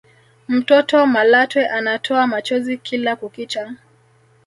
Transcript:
mtoto malatwe anatoa machozi kila kukicha